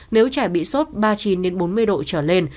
nếu trẻ bị sốt ba mươi chín bốn mươi độ trở lên